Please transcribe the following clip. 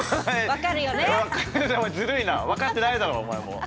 わかってないだろお前も！